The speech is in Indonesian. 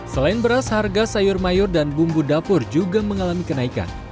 selain beras harga sayur mayur dan bumbu dapur juga mengalami kenaikan